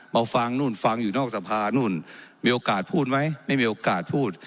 มาฟังนู่นฟังอยู่นอกสภานู่นมีโอกาสพูดไหมไม่มีโอกาสพูด